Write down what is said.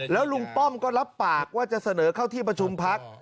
แล้วลุงป้องก็รับปากก็รับปากว่าจะเสนอเชิดข้าวที่ประชุมภักดิ์